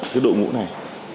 cái đội ngũ này